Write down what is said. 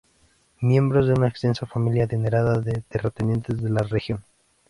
Miembro de una extensa familia adinerada de terratenientes de la región.